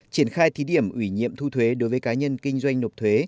triển khai thí điểm ủy nhiệm thu thuế đối với cá nhân kinh doanh nộp thuế